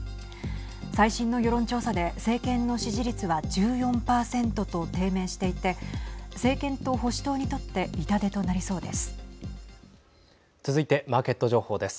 最新の世論調査で政権の支持率は１４％と低迷していて政権と保守党にとって痛手となりそうです。